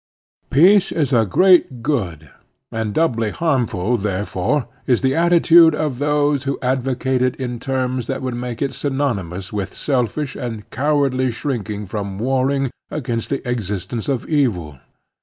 Peace is a great good; and doubly harmful, therefore, is the attitude of those who advocate it in terms that would make it synonymous with selfish and cowardly shrinking from warring against the existence of evil.